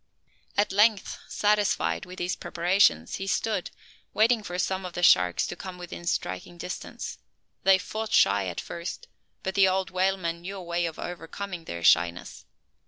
At length, satisfied with his preparations, he stood, with pointed harpoon, waiting for we of the sharks to come within striking distance. They "fought shy" at first; but the old whaleman knew a way of overcoming their shyness.